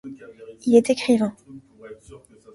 Il est écrivain.